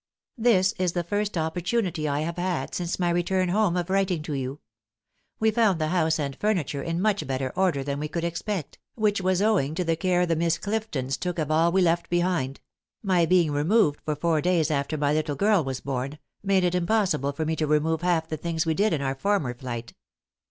"This is the first opportunity I have had since my return home of writing to you. We found the house and furniture in much better order than we could expect, which was owing to the care the Miss Cliftons took of all we left behind; my being removed four days after my little girl was born, made it impossible for me to remove half the things we did in our former flight."